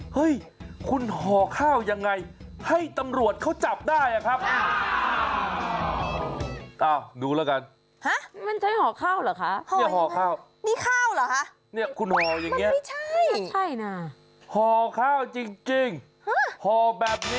เฮ้ยคุณห่อข้าวยังไงให้ตำรวจเขาจับได้อะครับ